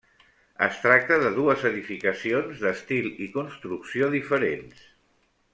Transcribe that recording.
Es tracta de dues edificacions d'estil i construcció diferents.